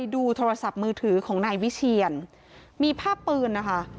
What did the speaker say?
ดูโทรศัพท์มือถือของนายวิเชียนมีภาพปืนนะคะ